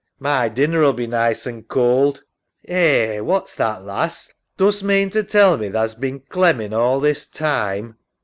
My dinner 'uU be nice an' cold. SARAH, Eh, what's that, lass? Dost mean to tell me tha's bin clemmin' all this time?